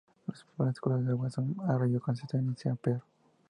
Los principales cursos de agua son: Arroyo Concepción y São Pedro.